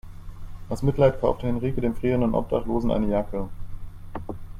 Aus Mitleid kaufte Henrike dem frierendem Obdachlosen eine Jacke.